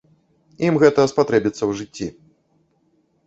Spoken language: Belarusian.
Ім гэта спатрэбіцца ў жыцці.